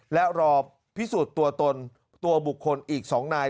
และรอพิสูจน์ตัวตนตัวบุคคลอีก๒นาย